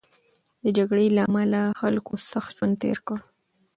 د جګړې له امله خلکو سخت ژوند تېر کړ.